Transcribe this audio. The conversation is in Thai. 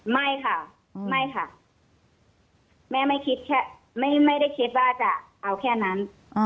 ไม่ค่ะไม่ค่ะแม่ไม่คิดแค่ไม่ได้คิดว่าจะเอาแค่นั้น